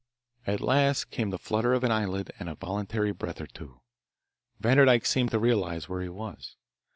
At last came the flutter of an eyelid and a voluntary breath or two. Vanderdyke seemed to realise where he was.